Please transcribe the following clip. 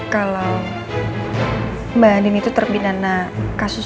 kalo mbak andien itu terbinana kasus roh